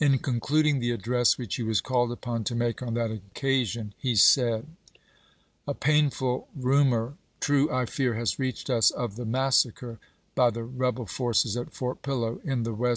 In concluding the address which he was caUed upon to make on that occasion he said : 478 ABRAHAM LINCOLN Chap. XXI. A painful rumor, true I fear, has reached us of the massacre, by the rebel forces at Fort Pillow, in the west 1864.